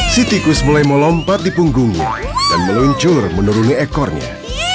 si tikus mulai melompat di punggungnya dan meluncur menuruni ekornya